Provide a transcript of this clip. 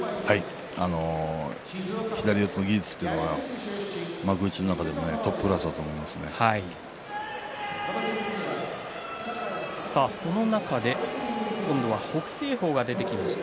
左四つの技術というのは幕内の中でもその中で今度は北青鵬が出てきました。